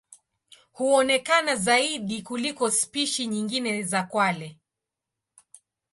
Huonekana zaidi kuliko spishi nyingine za kwale.